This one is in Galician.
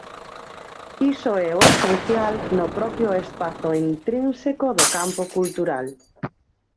Iso é o esencial no propio espazo intrínseco do campo cultural.